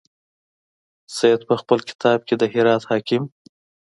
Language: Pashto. سید په خپل کتاب کې د هرات حاکم.